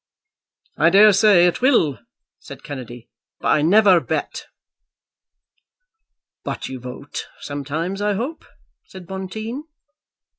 "I daresay it will," said Kennedy, "but I never bet." "But you vote sometimes, I hope," said Bonteen.